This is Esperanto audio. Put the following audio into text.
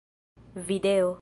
video